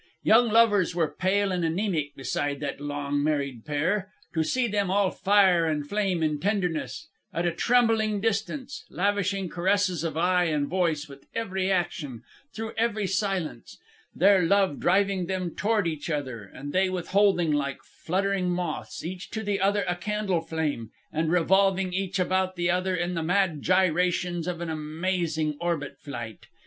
Young lovers were pale and anaemic beside that long married pair. To see them, all fire and flame and tenderness, at a trembling distance, lavishing caresses of eye and voice with every action, through every silence their love driving them toward each other, and they withholding like fluttering moths, each to the other a candle flame, and revolving each about the other in the mad gyrations of an amazing orbit flight!